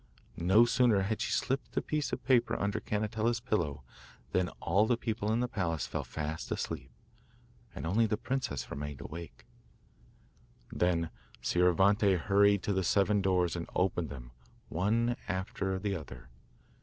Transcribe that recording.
No sooner had she slipped the piece of paper under Cannetella's pillow, than all the people in the palace fell fast asleep, and only the princess remained awake. Then Scioravante hurried to the seven doors and opened them one after the other.